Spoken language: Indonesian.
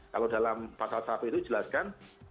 kalau dalam pasal satu itu dijelaskan